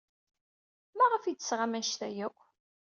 Maɣef ay d-tesɣam anect-a akk?